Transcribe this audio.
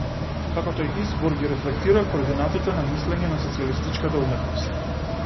Како тој избор ги рефлектира координатите на мислење на социјалистичката уметност?